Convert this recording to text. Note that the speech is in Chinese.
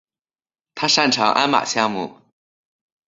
他擅长鞍马项目。